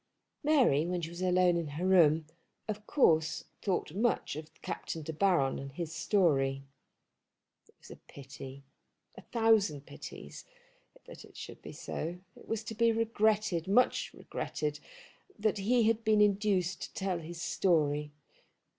Mary, when she was alone in her room, of course thought much of Captain De Baron and his story. It was a pity, a thousand pities, that it should be so. It was to be regretted, much regretted, that he had been induced to tell his story.